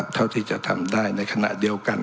เท่าที่จะทำได้ในขณะเดียวกัน